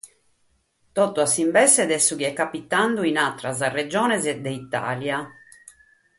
Totu a s’imbesse de su chi est capitende in àteras regiones de Itàlia.